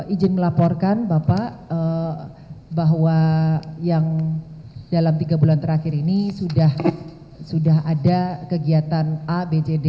izin melaporkan bapak bahwa yang dalam tiga bulan terakhir ini sudah ada kegiatan a bjd